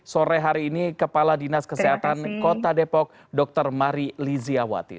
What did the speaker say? sore hari ini kepala dinas kesehatan kota depok dr mari liziawati